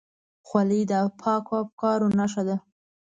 خولۍ د پاکو افکارو نښه ده.